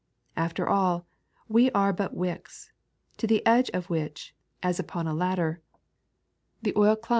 After all, we are but wicks, to the edge of which, as upon a ladder, the oil climbs 3.